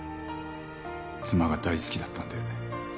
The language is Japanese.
妻が大好きだったんで。